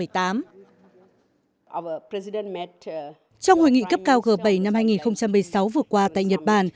trong hội nghị cấp cao g bảy năm hai nghìn một mươi sáu vừa qua tại nhật bản